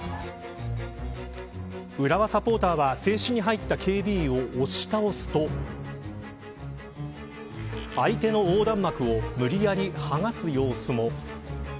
浦和サポーターは制止に入った警備員を押し倒すと相手の横断幕を無理やり剥がす様子も。